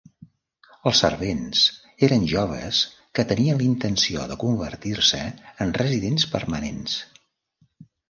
Els servents eren joves que tenien la intenció de convertir-se en residents permanents.